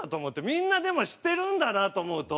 みんなでもしてるんだなと思うと。